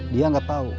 dia gak tau